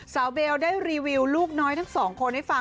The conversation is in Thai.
เบลได้รีวิวลูกน้อยทั้งสองคนให้ฟัง